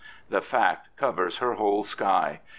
The fact covers her whole sky.